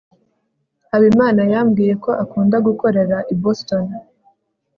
habimana yambwiye ko akunda gukorera i boston